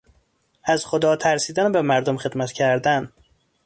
از خدا ترسیدن و به مردم خدمت کردن